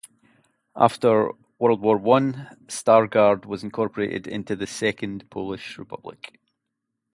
After World War One Stargard was incorporated into the Second Polish Republic.